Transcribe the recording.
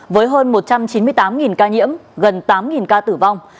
với hơn một trăm chín mươi tám ca nhiễm gần tám ca tử vong